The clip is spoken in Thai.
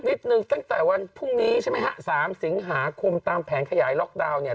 ตั้งแต่วันพรุ่งนี้ใช่ไหมฮะสามสิงหาคมตามแผนขยายล็อกดาวน์เนี่ย